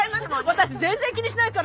私全然気にしないから。